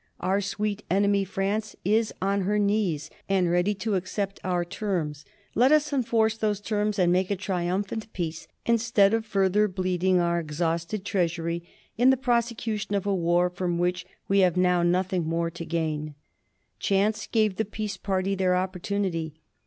Our sweet enemy France is on her knees and ready to accept our terms. Let us enforce those terms and make a triumphant peace instead of further bleeding our exhausted treasury in the prosecution of a war from which we have now nothing more to gain. Chance gave the peace party their opportunity.